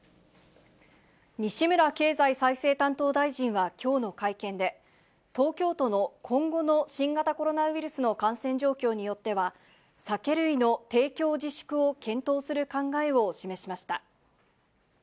西村経済再生担当大臣は、きょうの会見で、東京都の今後の新型コロナウイルスの感染状況によっては、酒類の提供自粛を検討する考えを示しました。